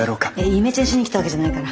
イメチェンしに来たわけじゃないから。